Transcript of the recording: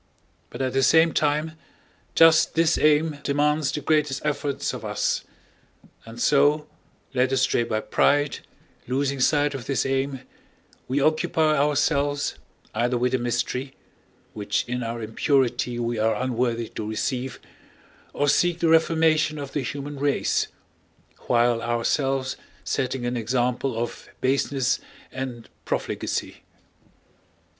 But at the same time just this aim demands the greatest efforts of us; and so, led astray by pride, losing sight of this aim, we occupy ourselves either with the mystery which in our impurity we are unworthy to receive, or seek the reformation of the human race while ourselves setting an example of baseness and profligacy.